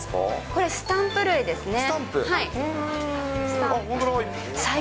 これ、スタンプ類ですね。